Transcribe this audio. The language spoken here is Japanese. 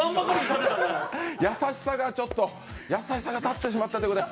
優しさがちょっと優しさで立ってしまったということで。